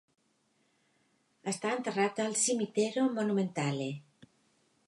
Està enterrat al "Cimitero Monumentale".